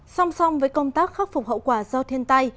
song song với công tác khắc phục hậu quả do thiên tai